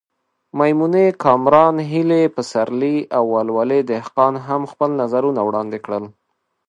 میمونې کامران، هیلې پسرلی او ولولې دهقان هم خپل نظرونه وړاندې کړل.